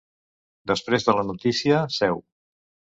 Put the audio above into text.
Després de la notícia, seu.